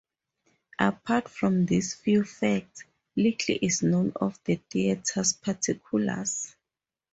Apart from these few facts, little is known of the theatre's particulars.